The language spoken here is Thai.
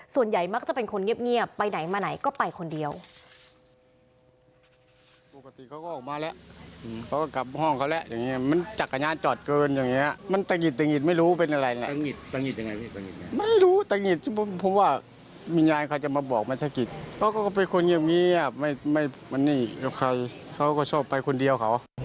ส่วนใหญ่มักจะเป็นคนเงียบไปไหนมาไหนก็ไปคนเดียว